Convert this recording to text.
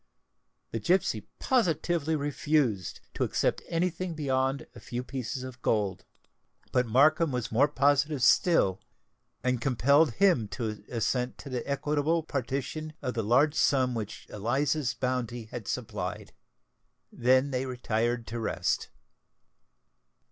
The gipsy positively refused to accept any thing beyond a few pieces of gold; but Markham was more positive still, and compelled him to assent to the equitable partition of the large sum which Eliza's bounty had supplied. They then retired to rest.